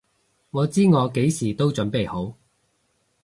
我知我幾時都準備好！